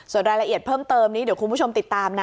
ส่วนรายละเอียดเพิ่มเติมนี้เดี๋ยวคุณผู้ชมติดตามนะ